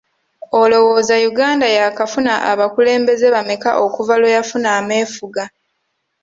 Olowooza Uganda yaakafuna abakulembeze bammeka okuva lwe yafuna ameefuga?